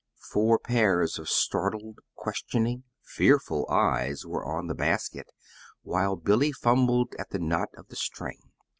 Four pairs of startled, questioning, fearful eyes were on the basket while Billy fumbled at the knot of the string.